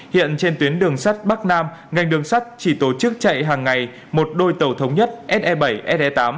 hiện trên tuyến đường sắt bắc nam ngành đường sắt chỉ tổ chức chạy hàng ngày một đôi tàu thống nhất se bảy se tám